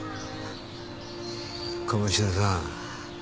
鴨志田さん。